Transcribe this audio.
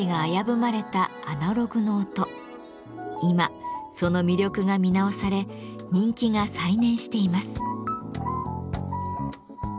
今その魅力が見直され人気が再燃しています。